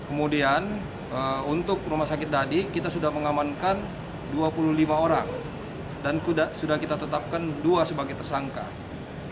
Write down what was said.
kemudian untuk rumah sakit dadi kita sudah mengamankan dua puluh lima orang dan sudah kita tetapkan dua sebagai tersangka